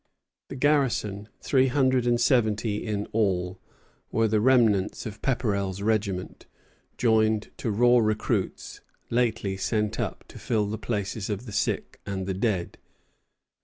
The garrison, three hundred and seventy in all, were the remnant of Pepperell's regiment, joined to raw recruits lately sent up to fill the places of the sick and dead.